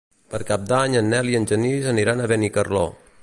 Per Cap d'Any en Nel i en Genís aniran a Benicarló.